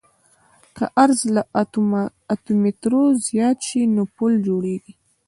که عرض له اتو مترو زیات شي نو پل جوړیږي